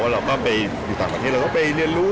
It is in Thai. เราไปต่างประเทศเราก็เรียนรู้